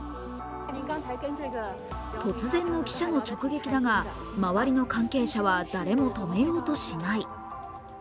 突然の記者の直撃だが周りの関係者は誰も止めようとしない。